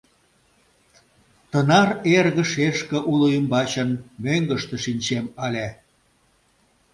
Тынар эрге-шешке уло ӱмбачын мӧҥгыштӧ шинчем ыле!